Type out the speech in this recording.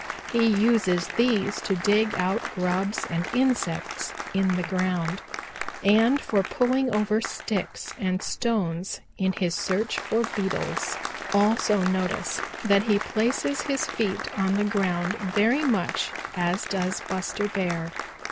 He uses these to dig out grubs and insects in the ground, and for pulling over sticks and stones in his search for beetles. Also notice that he places his feet on the ground very much as does Buster Bear.